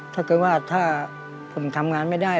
ถ้าเกิดว่าถ้าผมทำงานไม่ได้